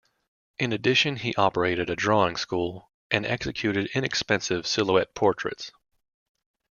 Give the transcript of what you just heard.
In addition, he operated a drawing school and executed inexpensive silhouette portraits.